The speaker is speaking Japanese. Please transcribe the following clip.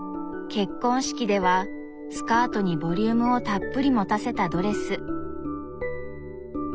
結婚式ではスカートにボリュームをたっぷり持たせたドレス。